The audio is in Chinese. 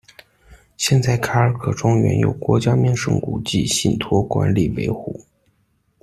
现在卡尔克庄园由国家名胜古迹信托管理维护。